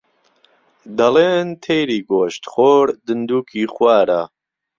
دەڵێن تەیری گۆشتخۆر دندووکی خوارە